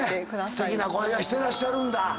すてきな恋をしてらっしゃるんだ。